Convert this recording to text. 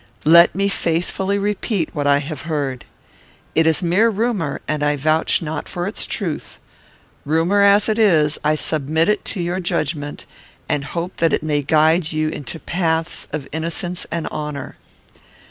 Let me faithfully repeat what I have heard. It is mere rumour, and I vouch not for its truth. Rumour as it is, I submit it to your judgment, and hope that it may guide you into paths of innocence and honour.